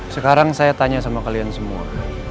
sekarang saya tanya sama kalian semua